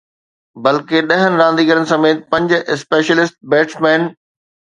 بلڪه ڏهن رانديگرن سميت پنج اسپيشلسٽ بيٽسمين